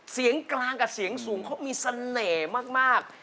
เสียงกลางกับเสียงสูงเขามีเสน่ห์มาก